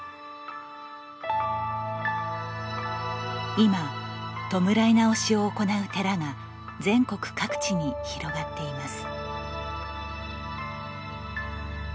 今、弔い直しを行う寺が全国各地に広がっています。